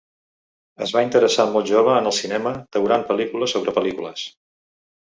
Es va interessar molt jove en el cinema, devorant pel·lícules sobre pel·lícules.